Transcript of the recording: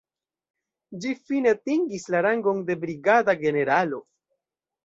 Ĝi fine atingis la rangon de brigada generalo.